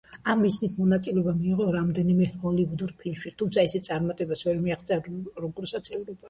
ამ მიზნით მონაწილეობა მიიღო რამდენიმე ჰოლივუდურ ფილმში, თუმცა ისეთ წარმატებას ვერ მიაღწია, როგორსაც ევროპაში.